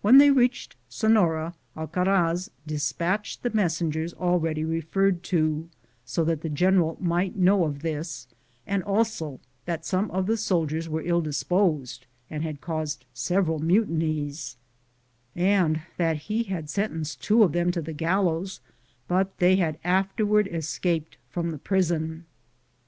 When they reached Sefiora, Alcaraz dispatched the mes gmzed t, Google THE JOURNEY OP CORONADO Bangers already referred to, so that the gen eral might know of this and also that some of the soldiers were ill disposed and had caused several mutinies, and that he had sentenced two of them to the gallows, but they had afterward escaped from the prison.